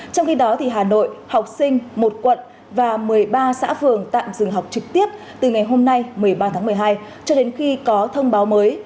trong khi đó hà nội học sinh một quận và một mươi ba xã phường tạm dừng học trực tiếp từ ngày hôm nay một mươi ba tháng một mươi hai cho đến khi có thông báo mới